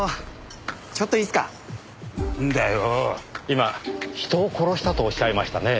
今人を殺したとおっしゃいましたね。